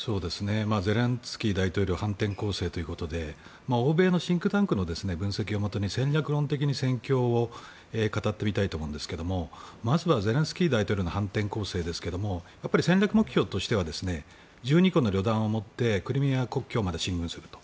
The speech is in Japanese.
ゼレンスキー大統領は反転攻勢ということで欧米のシンクタンクの分析をもとに戦略論的に戦略を語ってみたいと思うんですがまずはゼレンスキー大統領の反転攻勢ですが戦略目標としては１２個の旅団を持ってクリミア国境まで進軍すると。